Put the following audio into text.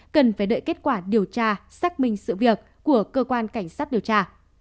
cần phải đợi kết quả điều tra xác minh sự việc của cơ quan cảnh sát điều tra